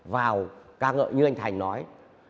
vào ca ngợi như anh thành nói